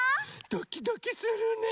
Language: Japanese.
ドキドキするね。